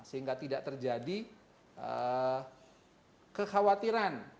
sehingga tidak terjadi kekhawatiran